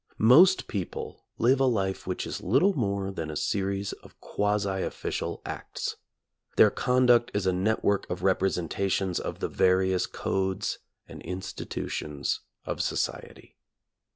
Most people live a life which is little more than a series of quasi official acts. Their conduct is a network of representations of the various codes and institutions of society.